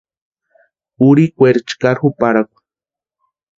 Urhikweri chkari juparhakwa.